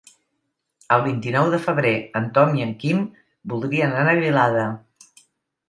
El vint-i-nou de febrer en Tom i en Quim voldrien anar a Vilada.